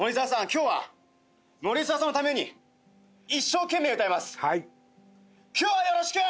今日は森澤さんのために一生懸命歌います今日はよろしく！